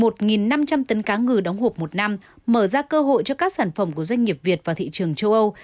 một năm trăm linh tấn cá ngừ đóng hộp một năm mở ra cơ hội cho các sản phẩm của doanh nghiệp việt vào thị trường châu âu